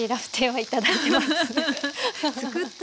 はい。